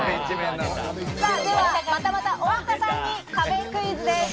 ではまたまた太田さんに壁クイズです。